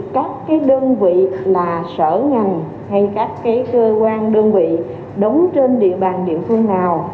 các đơn vị là sở ngành hay các cơ quan đơn vị đóng trên địa bàn địa phương nào